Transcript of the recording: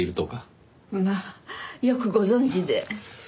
まあよくご存じで。